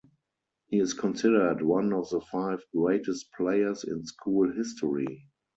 He is considered one of the five greatest players in school history.